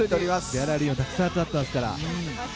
ギャラリーもたくさん集まっていますから。